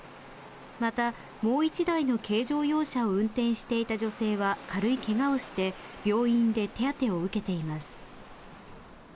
また、もう１台の軽乗用車を運転していた女性は、軽いけがをして、病院で手当てを受けています。